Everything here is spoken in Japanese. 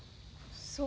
そう？